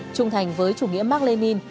trung thành với chủ nghĩa mark lenin